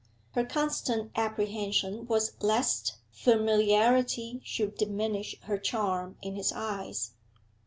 Her constant apprehension was lest familiarity should diminish her charm in his eyes.